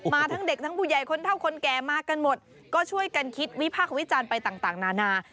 ทั้งเด็กทั้งผู้ใหญ่คนเท่าคนแก่มากันหมดก็ช่วยกันคิดวิพากษ์วิจารณ์ไปต่างนานา